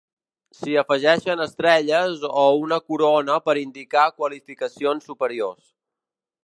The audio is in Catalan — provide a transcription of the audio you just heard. S'hi afegeixen Estrelles o una Corona per indicar qualificacions superiors.